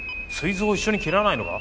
膵臓を一緒に切らないのか？